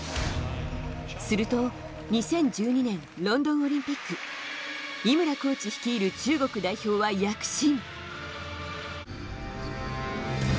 すると２０１２年ロンドンオリンピック、井村コーチ率いる中国代表は躍進。